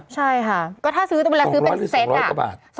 ใช่ค่ะก็ถ้าซื้อแต่เวลาซื้อเป็นเซ็ตอ่ะ๒๐๐กว่าบาท